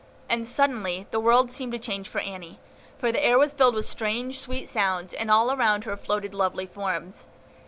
And suddenly the world seemed changed to Annie; for the air was filled with strange, sweet sounds, and all around her floated lovely forms.